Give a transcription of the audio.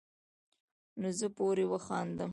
نو زۀ پورې وخاندم ـ